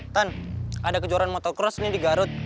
tan ada kejuaraan motocross nih di garut